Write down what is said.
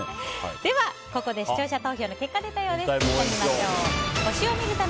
ではここで視聴者投票の結果が出ました。